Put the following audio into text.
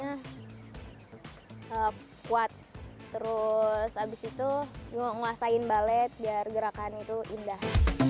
harus bisa kuat terus abis itu nguasain balet biar gerakan itu indah